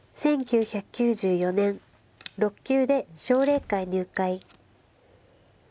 １９９４年６級で奨励会入会。